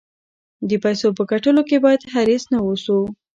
د پیسو په ګټلو کې باید حریص نه اوسو.